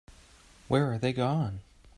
Where are they gone?